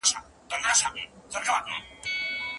که د بدبویي د ورکېدو لپاره وي نو قیمت یې پر چا لازم دی؟